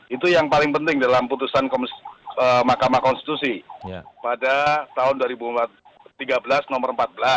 itu yang paling penting dalam putusan mahkamah konstitusi pada tahun dua ribu tiga belas nomor empat belas